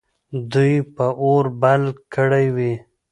دوی به اور بل کړی وي.